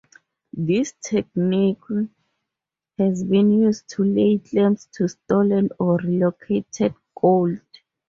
This technique has been used to lay claim to stolen or relocated gold.